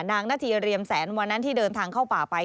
นาธีเรียมแสนวันนั้นที่เดินทางเข้าป่าไป